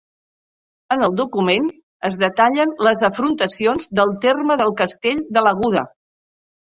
En el document es detallen les afrontacions del terme del Castell de l'Aguda.